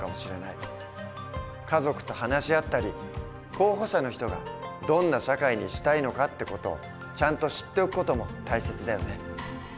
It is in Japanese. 家族と話し合ったり候補者の人がどんな社会にしたいのかって事をちゃんと知っておく事も大切だよね。